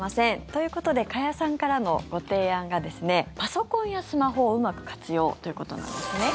ということで加谷さんからのご提案がパソコンやスマホをうまく活用ということなんです。